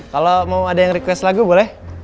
kalau mau ada yang request lagu boleh